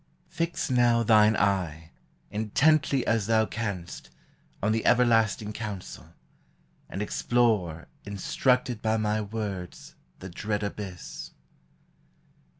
" Fix now thine eye, intently as thou canst, On the everlasting counsel ; and explore, Instructed by my words, the dread abyss.